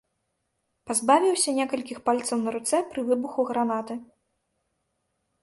Пазбавіўся некалькіх пальцаў на руцэ пры выбуху гранаты.